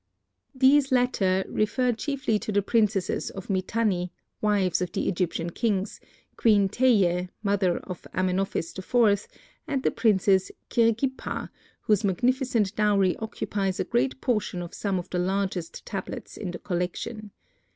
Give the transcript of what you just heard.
These latter refer chiefly to the princesses of Mitanni, wives of the Egyptian kings, Queen Teie, mother of Amenophis IV, and the princess Kirghipa, whose magnificent dowry occupies a great portion of some of the largest tablets in the collection.